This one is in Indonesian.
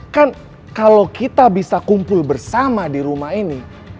kan kalau kita bisa kumpul bersama di rumah ini